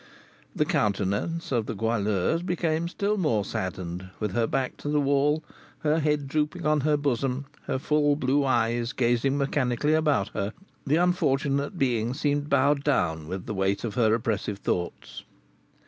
The countenance of the Goualeuse became still more saddened; with her back to the wall, her head drooping on her bosom, her full blue eyes gazing mechanically about her, the unfortunate being seemed bowed down with the weight of her oppressive thoughts.